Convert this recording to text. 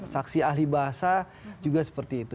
saksi ahli bahasa juga seperti itu